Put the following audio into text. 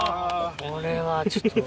これはちょっと。